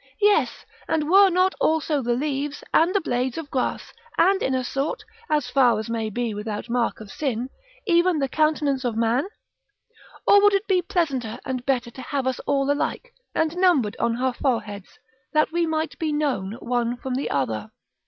Yes, and were not also the leaves, and the blades of grass; and, in a sort, as far as may be without mark of sin, even the countenance of man? Or would it be pleasanter and better to have us all alike, and numbered on our foreheads, that we might be known one from the other? § V.